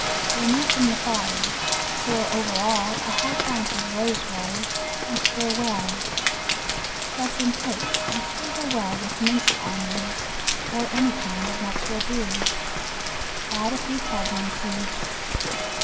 Remove from the fire, pour over all a half ounce of rose water and stir well. Press in plates and sprinkle well with minced almonds, or any kind of nuts will do. Also add a few cardamon seeds.